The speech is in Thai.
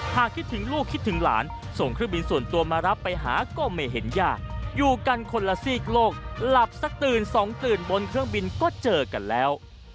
คิดถึงลูกคิดถึงหลานส่งเครื่องบินส่วนตัวมารับไปหาก็ไม่เห็นยากอยู่กันคนละซีกโลกหลับสักตื่นสองตื่นบนเครื่องบินก็เจอกันแล้ว